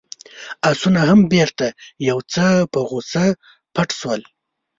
آسونه هم بېرته يو څه په غوښه پټ شول.